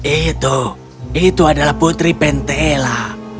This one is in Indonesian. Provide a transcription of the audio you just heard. itu itu adalah putri pentela